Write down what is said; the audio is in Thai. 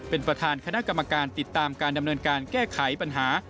เป็นประธานคณะกรรมการติดตามการดำเนินการแก้ไขปัญหา